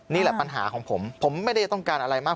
นี่แหละปัญหาของผมผมไม่ได้ต้องการอะไรมาก